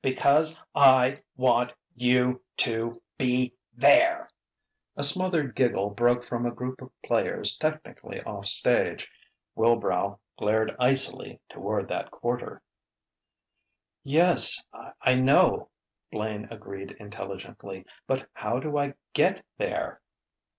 because I want you to be there!" A smothered giggle broke from a group of players technically off stage. Wilbrow glared icily toward that quarter. "Yes, I know," Blaine agreed intelligently. "But how do I get there?"